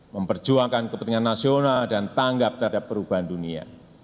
memperjuangkan kepentingan nasional dan tanggap terhadap perubahan dunia